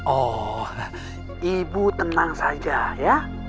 oh ibu tenang saja ya